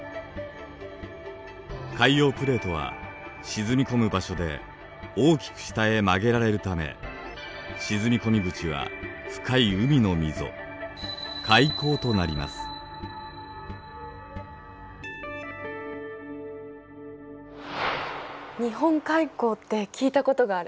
海洋プレートは沈み込む場所で大きく下へ曲げられるため沈み込み口は深い海の溝「日本海溝」って聞いたことがある。